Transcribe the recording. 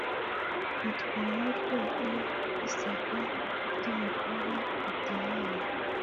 ntiryemerwe iyo isabwa ry amakuru ritemewe